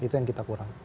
itu yang kita kurang